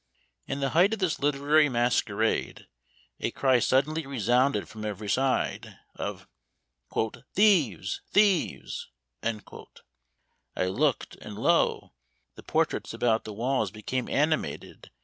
In the height of this literary masquerade, a cry suddenly resounded from every side, of "Thieves! thieves!" I looked, and lo! the portraits about the walls became animated!